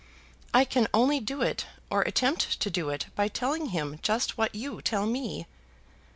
"I can only do it, or attempt to do it, by telling him just what you tell me."